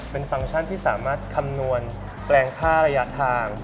เป็นฟังก์ชั่นที่สามารถคำนวณแปลงค่าระยะทาง